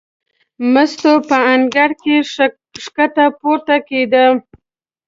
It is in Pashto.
مستو په انګړ کې ښکته پورته کېده.